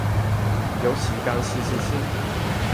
有時間試試先